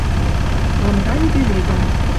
Лым ганьы пеледӹн